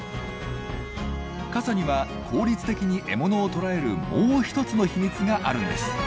傘には効率的に獲物を捕らえるもう一つの秘密があるんです。